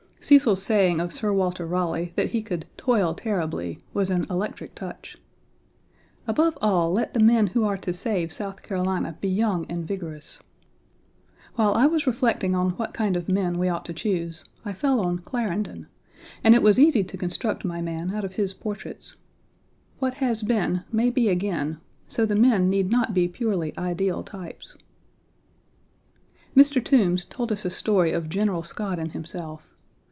Cecil's saying of Sir Walter Raleigh that he could "toil terribly" was an electric touch. Above all, let the men who are to save South Carolina be young and vigorous. While I was reflecting on what kind of men we ought to choose, I fell on Clarendon, and it was easy to construct my man out of his portraits. What has been may be again, so the men need not be purely ideal types. Mr. Toombs 1 told us a story of General Scott and himself.